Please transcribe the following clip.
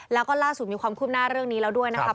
แล้วก็ล่าสุดมีความคืบหน้าเรื่องนี้แล้วด้วยนะครับ